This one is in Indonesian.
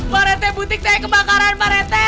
pak rete butik saya kebakaran pak rete